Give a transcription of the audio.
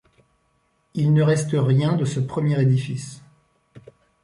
Il ne reste rien de ce premier édifice.